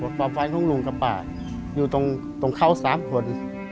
ว่าความฝันของลุงกับป่าอยู่ตรงเข้าสามคน